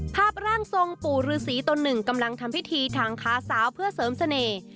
ภาพร่างทรงปู่ฤษีตนหนึ่งกำลังทำพิธีทางค้าสาวเพื่อเสริมเสน่ห์